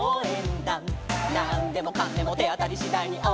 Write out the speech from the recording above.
「なんでもかんでもてあたりしだいにおうえんだ！！」